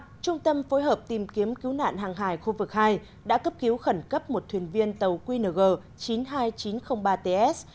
trung tâm phối hợp tìm kiếm cứu nạn hàng hải khu vực hai đã cấp cứu khẩn cấp một thuyền viên tàu qng chín mươi hai nghìn chín trăm linh ba ts